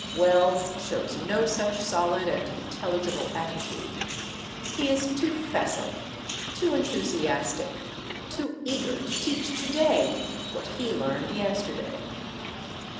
Wells shows no such solid and intelligible attitude. He is too facile, too enthusiastic, too eager to teach to day what he learned yesterday.